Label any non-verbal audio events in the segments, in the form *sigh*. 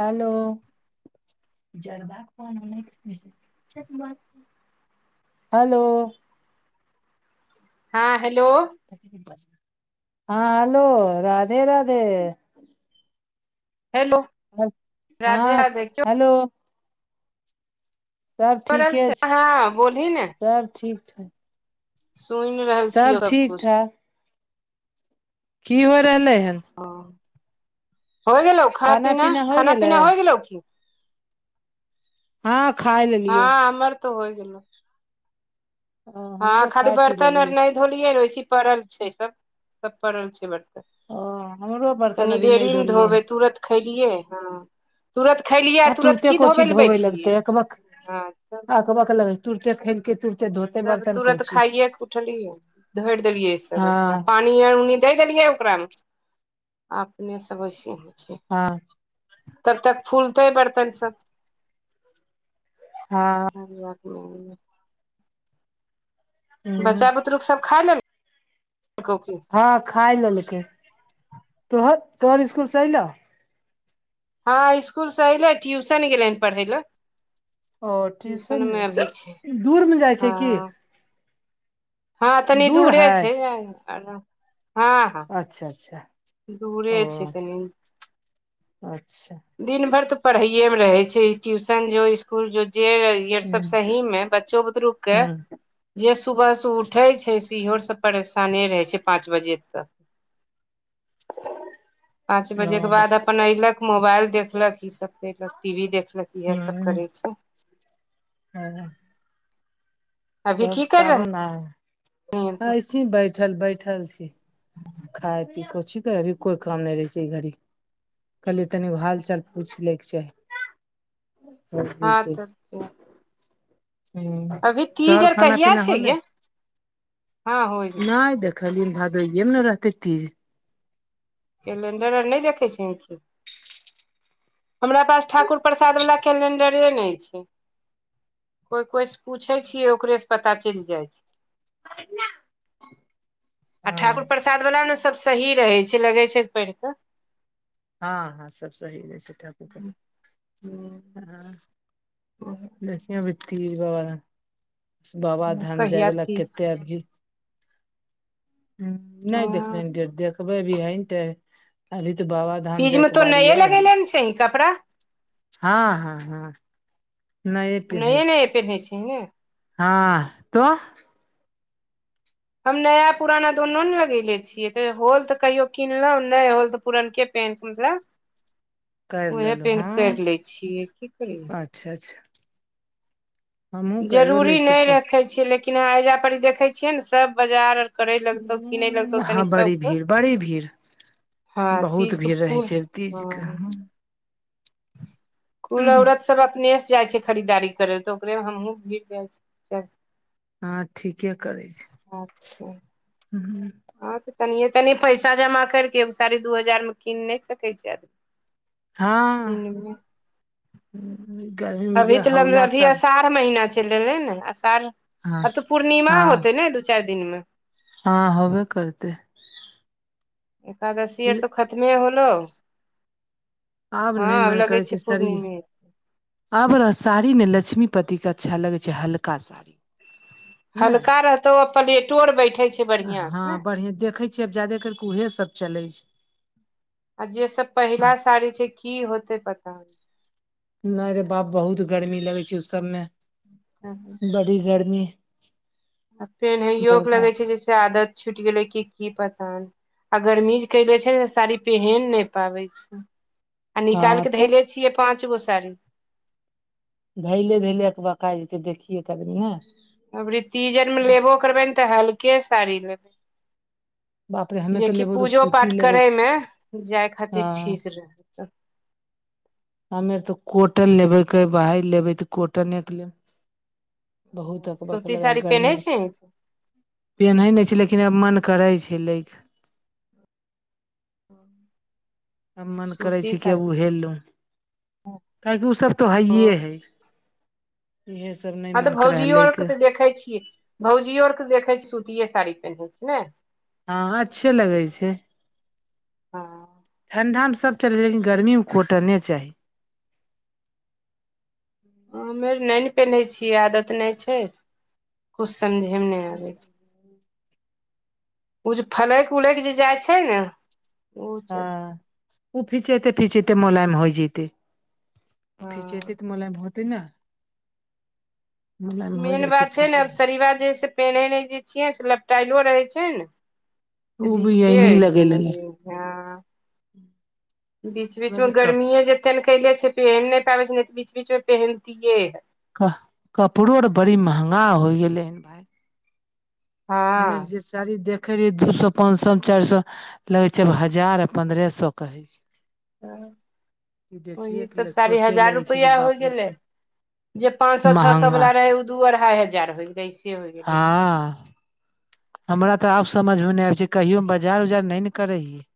Hello *unintelligible* hello हँ hello हँ hello Radhe Radhe hello Radhe हँ राधे क्यो हेलो सब भ रहल ठीके छै हँ बोलही सब ठीक छै सुइन रहल सब छियै ठीक सबकुछ ठाक की हो रहलै हन ओ हो गेलौ खाना पीना खाना पीना हो गेलौ की हँ खाय ले हँ हमर तऽ होइ गेलो ओ हँ हमरो खाली खाय पी बर्तन ओर लेलियौ नय धोलियै वैसेी पड़ल छै। सब सब पड़ल छै बर्तन। ओ हमरो बर्तन तनि अभी नहि देरी मे धोलियै धोबै तुरत खयलियै ह ना तुरत खेलियै हँ तुरत तुरते की कोची धोबै लए धोबे बैठिय लगतै अकबक है *unintelligible* तुरते खेलकै तुरते धो तब तुरत खाइए के उठलियै धोरि देलियै। सब अपना हँ पानि पान उनी द देलियै ओकरा आ अपने सब ओइसही छ हँ तब तक फूलते बर्तन सब हँ *inaudible* ह बच्चा बुतरुक सब खा लेल को की हँ खााय लेलकै तो तोहर स्कुल से एयलौ हँ इसकुल से एले ट्यूशन गेले हन पढ़ै लए ट्यूशन मे अभी छै दूर मे जाइ छै हँ की हँ तनी दूर दूरे है छै आर हँ हँ अच्छा अच्छा दूरे ओ छै तनी अच्छा दिन भर तऽ पढ़ैेये मे रहे छै ट्यूशन जो स्कुल जो जे ई आर ह सब सही मे बच्चो बुदूरुक के ह जे सुबह स उठै छै से इहो स परेशाने रहै छै पाँच बजे तक *inaudible* पांच बजे के ओ बाद अपन ऐलक मोबाइल देखलक ई सब केलक टीवी देखलक इएहे सब करे छैय ह अभी तब की कर सावन रहली हन आ तू ऐसे बैठल बैठल छी खाय पी कोऊची करे अभी कोइ काम नय रहै छै ई घड़ी कहलिए तनि हाल चाल पूछ लैके चाही तब हँ जेयतै *inaudible* तऽ हूँ अभी तीज तोहर आर खाना कहिया पीना छै होले गे हँ होइ गेल नय देख खलिन भादोये मे नै रहतै तीज कैलेंडर आर नय देखै छैहे की हमरा पास ठाकुर प्रसाद वाला कैलेंडरे नय छै कोइ कोइ से पूछे छियै ओकरे से पता चैल जाइ छै *inaudible* आ हँ ठाकुर प्रसाद बलाने सब सही रहै छै लगे छै पैढ़ कऽ हँ हँ सब सही रहै छै ठाकुर प्रसाद *unintelligible* *inaudible* देखियौ अभी तीज बाबा बाबा धाम जाय कहिया वला तीज कते छै अभी ह ह नय देखले डेट देखबै अभी हय अभी तऽ बाबा तीज में तो नये लगेले नै छी कपड़ा हँ हँ हँ नये नये पेन्है छै ने हा तो हम नया पुराना दुोनू ने लगेेले छियै ते होल तऽ कहियो किनलो नय होल तऽ पुरनके पें करि मतलब उहे लेलहु पेन्ह हँ कैर लै छियै की करियै अच्छा अच्छा हमहुँ करियो जरूरी लै छियै नय कोइ रखै छियै लेकिन ऐजा पर देखै छियै ने सभ बाजार करै लगतौ किनै लगतौ तनी हँ बड़ी सबके भीड़ बड़ी भीड़ हँ बहुत तीज भीड़ रहै कपूर छै तीज के हँ कुल औरत सब अपने सँ जाइ छै खरीदारी करै ल तऽ ओकरे म हमहूँ भीर जाइ छी चल हँ ठीके करै छै ह हँं तऽ तनिये तनि पैसा जमा केर कऽ एगो साड़ी दू हजार मे कीन नय सकै छै आदमी हाँ किनबै गर्मी *inaudible* मे अभी जे तऽ लऽ हौला अभी सर असार आठम महिना चैल एलै न आसार हँ आब तऽ पूर्णिमा हँ होते न दू चाइर दिन में हँ होबे करतै। एकादशी आर तऽ खतमे होलौ *inaudible* *inaudible* हऽ नहि आब मन करै लगे छै साड़िये पूर्णिमे में आब लऽ साड़ी ने लक्ष्मी पत्ती केँ अच्छा लगै छै हल्का साड़ी नहि हल्का रहतौ आ प्लेटो आर बैठे छै बढ़ियां हँ से ने बढ़िएं देखै छियै आब जायदे करकेँ उहे सभ चलै छै आ जे सब पहिला साड़ी छै की होते पता नै रे बाप बहुत गर्मी लगै छै ओ सब में *unintelligible* बड़ी गर्मी पेनहैयो कऽ लगै बर्दाश्त छै जैसे आदत छुट गेलै कि की पता नै आ गर्मी कै है छै ने साड़ी पेहेन नै पाबै छै आ निकाइल हँ कऽ तऽ धैले छियै पाँच गो साड़ी धैले धैले एकबका जेतै देखियै केँ आदमी ने अबरी तीज आर मे लेबो करबै न तऽ हल्के साड़ी लेबे बाप रे हमे तऽ जेकि लेबो तऽ पूजो सूती पाठ लेबो करे में जय हँ खातिर ठीक रहै हमे तऽ कॉटन लेबै कह बाहर लेबै तऽ कॉटने केँ लेबै बहुत अकबक सूती लगै है साड़ी पेन्है गर्मी से छै पेन्है नै छै लेकिन आब मन करै छै लै कऽ हऽ आब मन करै छै कि अब उहे लू *inaudible* काहेकि ओ सब तो हैये है इहे सब ने हँ तऽ भौजियो आर केँ तऽ देखै छियै भौजियो आर केँ देखै छियै सुतिए साड़ी पेन्है छै ने हँ अच्छे लगै छै हँ *inaudible* ठण्डा में सभ चलै छै लेकिन गर्मी में कोटने चाही। हम ऐर नै न पेन्है छियै आदत नै छै कुछ समझे में नै आबै छै ओ जे फलैक उलैक जे जाइ छै न हँ ओ फिचेते फिचेते मोलायम होइ जते हँ फीचेतै तऽ मोलाइम होतै न *inaudible* मेन बात छै न आब शरीबा जे से पेनहे नै जे छियै से लपटाइलो रहै छै न तऽ ओ भी दिक्कते यही लगेले *unintelligible* *inaudible* बीच बीच बाकी में कप गर्मी *unintelligible* कले छै पहिन नै पाबै छै नै तऽ बीच बीच में पहिनतियै कह कपड़ो आर बड़ी महंगा होय गेलै भाय हमे हँ जे साड़ी देखे रहियै दू सौ पाँच सौ चार सौ लगै छै हजार आ पन्द्रह सौ कहैय छैय *unintelligible* ओही के सब लेल साड़ी सोचे हजार लगे छै कि रुपैआ हो बाप रे एते गेलै जे पांच सौ छ सौ महंगा वाला रहैय ओ दू अढ़ाई हजार होय दैय छै हऽ हमरा तऽ आब समझ में नै आबै छै कहियो हम बाजार उजार नै न करै हियै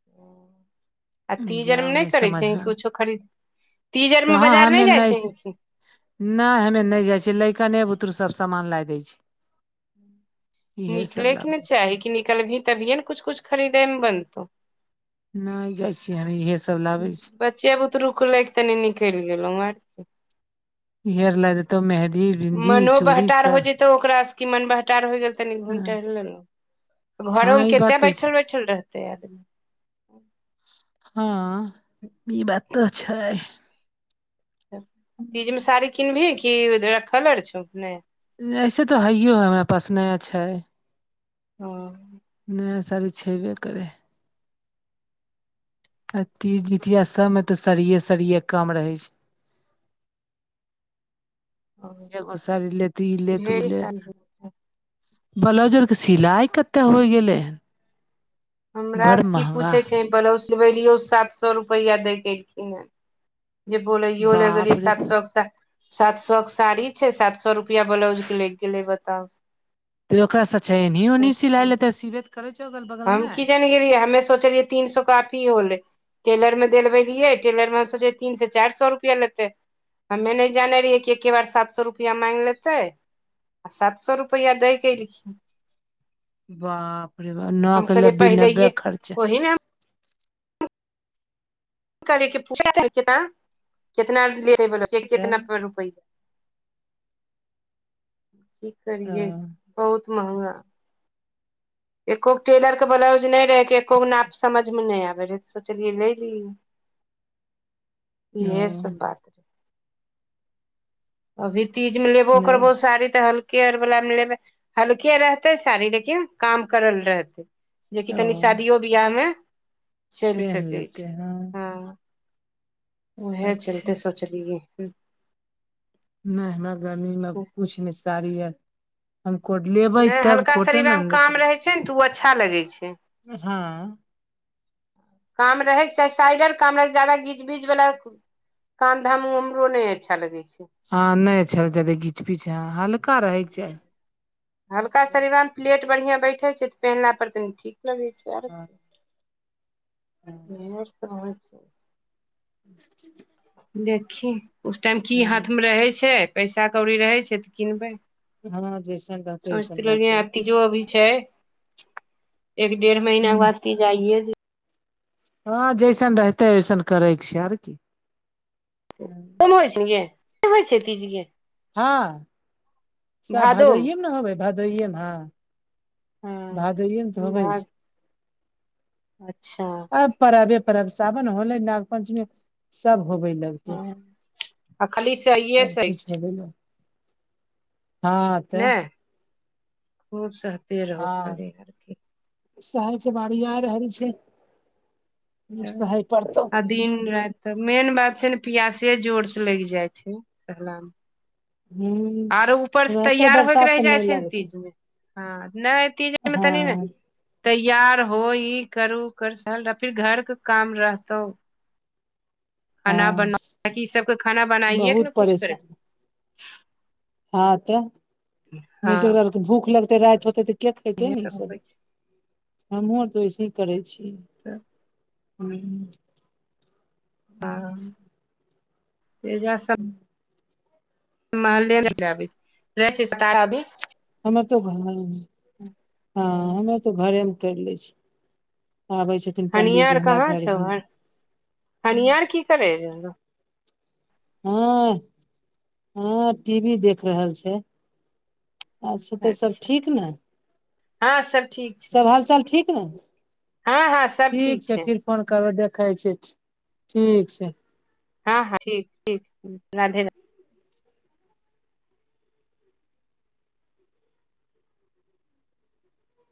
*inaudible* आ तीज आर में जाउ नै नहि करैय छीही समझमे कुछो खरीद तीज आर में बाजार नै जाइ छही की नै हमे नै जाइ छियै लैकने बुतरू सब समामान लए दै छै इहे सब निकलैके ने लाबै छै चाही कि निकलबिही तभिए ने कुछ कुछ खरीदैमे बनतौ नै जाइ छीयै हम इहे सब लाबै छी बच्चे बुतरुके लैके तनी निकैल गेलौ आर कि इहे आर ला देतौ मेहदी बिन्दी मनो चूड़ी बहटार हो सब जतौ ओकरा की मन बहटार हो गेल तनी घुम टहैल लेलौ न हँ घरोंमे ई बात कते तऽ छै बैठल बैठल रहते आदमी हँ ई बात तऽ छै तीज मे साड़ी किनबही कि रखकलर छौ ने ऐसे तऽ हैयो है हमरा पास नया छैय हॅं नया साड़ी छेबे करै अथी जितिया सबमे तऽ सड़िये सड़िये कम रहै छै। एगो साड़ी ले तूले तू ढेरी ले साड़ी ब्लाउज आरके सिलाइ कतेक होइ गेलै हमरा बड़ स की महंगा पूछे छही ब्लाउज सिबैलियो सात सए रुपैया दैय के *unintelligible* जे बोलैयो ल बाप गेलिये रे सात बा सौ के सा सात सौ के साड़ी छै सात सौ रुपैआ ब्लाउज के लैग गेलै बताउ त ओकारस अच्छा एनहीये ओनहीये सियालैत सिबे त करै छौ अगल बगलमे हम मे की जानि गेलियै हमे सोचलीयै तीन सो काफी होलै टेलर मे देलबलियै टेलर मे सोचे तीन से चैर सौ रुपैआ लेतै हमे नै जाने रहियै कि एके बार सात सौ रुपैआ मैग लेतै आ सात सौ रुपैआ दै के एलखीन बाप रे बाप नओ हम के कहलियै लभी नब्बे पहिलैये खर्च ओहि ने हम करै के पूरा कितना ले कितना ले ले भेलौ कितना तब रुपया *inaudible* की ओ करियै बहुत मंहगा एको गो टेलर के ब्लाउज नै रहेय कि एको गो नाप समझ मे नै आबेय रहै सोचलिये लैली *inaudible* ओ इहे सब बात रहे अभी तीज मे लेबो नहि करबो साड़ी त हल केयर वला मे लेबै हलके रहतै साड़ी लेकिन काम करल रहतै जेकि ओ तनी शादियो बियाहमे चैल पेन्ह सकै छै लेते हैं हँ ओहे अच्छा चलते सोचलीयै हन नै हमरा गर्मीमे कुछ नै साड़ी अर हम कोड लेबै नहि त अब हल्का कोटन आ शरीरामे नै काम त रहै छै ने तऽ ओ अच्छा लगै छै। हाॅं काम रहैके चाही साइडर काम रहैके जादा बीज बीच बला काम धाम उ हमरो नै अच्छा लगै छै। ह नै छैय जदी घीच पिच ह हल्का रहै के चाही हलका साड़ीमे बस प्लेट बढ़िया बैठै छै तऽ पेनहला पर तनि ठीक लगैय छैय आर हँ *unintelligible* छै त *inaudible* देखी उस टाइम की हाथमे रहै छै पैसा कौड़ी रहै छै तऽ किनबै हँ जैसन रहतै वैसन सोचितैय रहतै रहिए तीजो अबैय छै एक डेढ़ महीना बाद तीज आइए जेतैय। हँ जैसन रहतै ओैसन करैके छै आर की कोन होइ छै गे कोना होइ छै तीज गे हँ सब भादोमे भादोइयेमे ने होबै भादोइयेमे हँ हँ भादोइयेमे तऽ होवै भाग छै अच्छा अब परबे परब सावन होलै नाग पंचमी सब होबै लग हँ आ खाली सहिये सब सही कुछ छै होबे लग हँ तऽ खुब सहते रहु खाली आरकी सहय के बारी आ रहल छै तऽ सहय पड़तौ आ दिन राति तऽ मेन बात छै ने प्यासे जोर से लगि जाय छै सहला मे हुँ आरो ऊपर से तैयार होइके रहि जाइ छै ने लगतै तीज मे हँ नय तीज आरमे तनी ने हँ तैयार हो ई कर उ कर साल आ फिर घर के काम रहतौ खाना हँ बना की सबके खाना बनाइएके ने बहुत कुछ करैक परेशान हँ तऽ नय हँ जकरा आर भूख लगते राति होते तऽ के खेते इहे ने ई सब होइ छै हमहूँ आ तऽ वैसे ही करै छियै तऽ हँ हँ एजा सब मेबी रहै छी सितारा अभी हमर तो घर हय हँ। तो घरे मे करि ले छै आबै छै। हनियां आर कहाँ छौ हनियां आर की करैय रहौ हँ हँ टी वी देख रहल छै अच्छा तऽ सब ठीक ने हँ सब ठीक छै सब हालचाल ठीक ने हँ हँ सब ठीक छै फिर फोन करबौ देखै छियै ठीक छै। हँ हँ ठीक ठीक राधे राधे